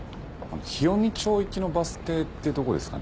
日尾美町行きのバス停ってどこですかね？